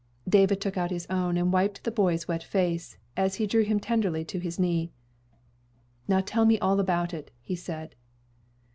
David took out his own and wiped the boy's wet face, as he drew him tenderly to his knee. "Now tell me all about it," he said.